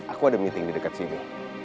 aku ada meeting di dekat sini